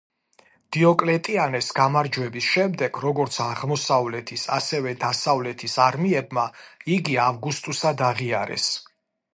დიოკლეტიანეს გამარჯვების შემდეგ, როგორც აღმოსავლეთის, ასევე, დასავლეთის არმიებმა იგი ავგუსტუსად აღიარეს.